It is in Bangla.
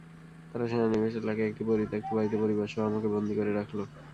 তারা সেনানিবাস এলাকায় একটি পরিত্যক্ত বাড়িতে পরিবারসহ আমাকে বন্দী করে রাখল।